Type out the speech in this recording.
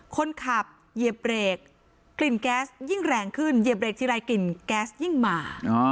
คนขับเหยียบเบรกกลิ่นแก๊สยิ่งแรงขึ้นเหยียบเรกทีไรกลิ่นแก๊สยิ่งมา